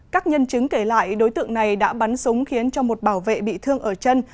các nhân chứng kể lại đối tượng này đã bắn súng khiến cho một bảo vệ bị thương ở chân